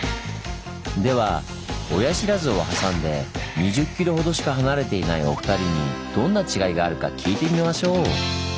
では親不知を挟んで２０ｋｍほどしか離れていないお二人にどんな違いがあるか聞いてみましょう！